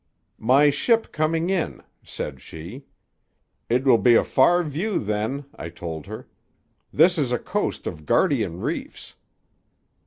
'—'My ship coming in.' said she.—'It will be a far view, then,' I told her. 'This is a coast of guardian reefs.